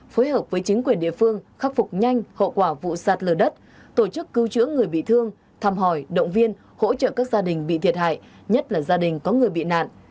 phối hợp với chính quyền địa phương khắc phục nhanh hậu quả vụ sạt lở đất tổ chức cứu chữa người bị thương thăm hỏi động viên hỗ trợ các gia đình bị thiệt hại nhất là gia đình có người bị nạn